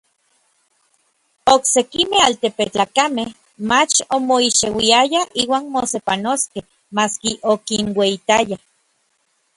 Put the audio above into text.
Oksekimej altepetlakamej mach omoixeuiayaj inuan mosepanoskej, maski okinueyitayaj.